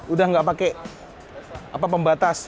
udah nggak pakai pembatas